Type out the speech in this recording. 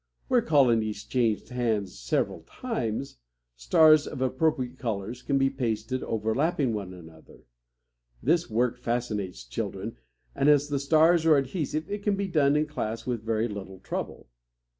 Where colonies changed hands several times, stars of appropriate colors can be pasted overlapping one another. This work fascinates children, and as the stars are adhesive, it can be done in class with very little trouble.